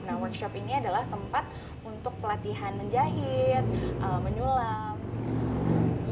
nah workshop ini adalah tempat untuk pelatihan menjahit menyulam